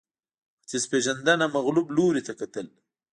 ختیځپېژندنه مغلوب لوري ته کتل